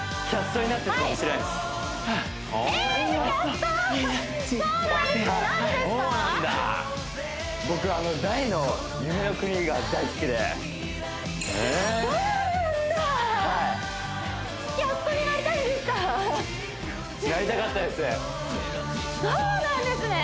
そうなんですね